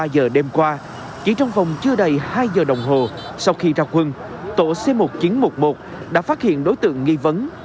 ba giờ đêm qua chỉ trong vòng chưa đầy hai giờ đồng hồ sau khi ra quân tổ c một nghìn chín trăm một mươi một đã phát hiện đối tượng nghi vấn